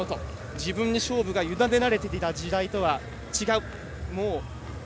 自分に勝負をゆだねられていた時代とは違う。